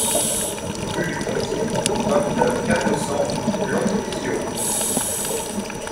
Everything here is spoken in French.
Rue du Pontic, vingt-neuf, quatre cents Landivisiau